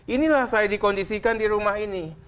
inilah saya dikondisikan di rumah ini